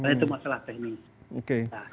itu masalah teknis